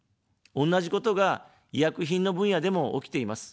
同じことが、医薬品の分野でも起きています。